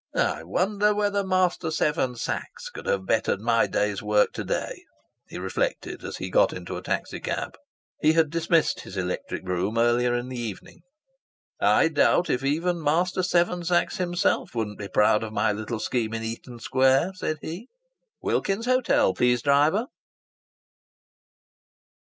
"I wonder whether Master Seven Sachs could have bettered my day's work to day!" he reflected as he got into a taxi cab. He had dismissed his electric brougham earlier in the evening. "I doubt if even Master Seven Sachs himself wouldn't be proud of my little scheme in Eaton Square!" said he.... "Wilkins's Hotel, please, driver."